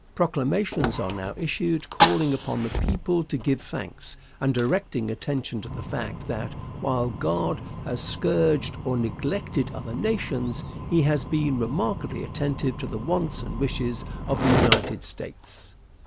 Proclamations are now issued calling upon the people to give thanks, and directing attention to the fact that, while God has scourged or neglected other nations, he has been remarkably attentive to the wants and wishes of the United States.